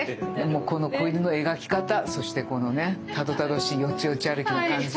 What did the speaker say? もうこの子犬の描き方そしてこのねたどたどしいよちよち歩きの感じ。